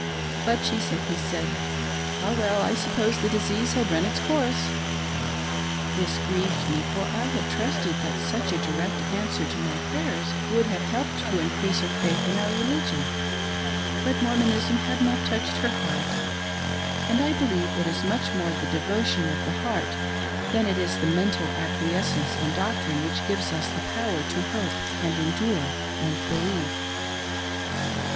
But she simply said :" Ah, well ! I suppose the disease had run its course." This grieved me, for I had trusted that such a direct answer to my prayers would have helped to increase her faith in our religion, but Mormonism had not touched her heart, and I believe it is much more the devotion of the heart than it is the mental acquiescence in doctrine which gives us the power to hope, and endure and believe.